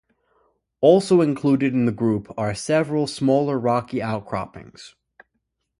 Also included in the group are several smaller rocky outcroppings.